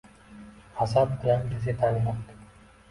G’azab bilan gazetani... yoqdi!